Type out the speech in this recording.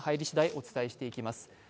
お伝えしていきます。